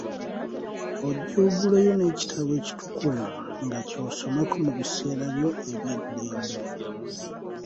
Ojje oguleyo n’ekitabo ekitukuvu nga ky’osomako mu biseera byo eby’eddembe.